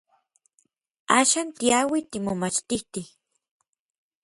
Axan tiauij timomachtitij.